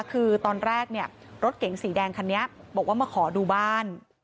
คือตอนแรกเนี่ยรถเก๋งสีแดงคันนี้บอกว่ามาขอดูบ้าน